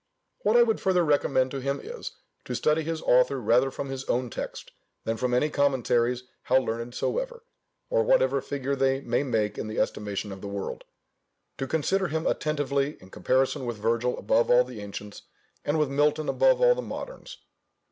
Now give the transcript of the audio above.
What I would further recommend to him is, to study his author rather from his own text, than from any commentaries, how learned soever, or whatever figure they may make in the estimation of the world; to consider him attentively in comparison with Virgil above all the ancients, and with Milton above all the moderns.